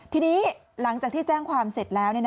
ทีนี้หลังจากที่แจ้งความเสร็จแล้ว